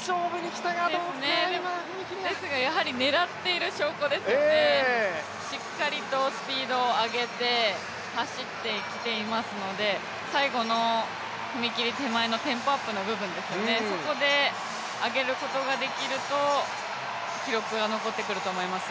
狙っている証拠ですよね、しっかりとスピードを上げて走ってきていますので最後の踏切手前のテンポアップの部分ですね、そこで上げることができると記録が残ってくると思いますよ。